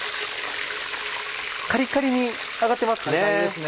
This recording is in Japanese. カリカリに揚がってますね。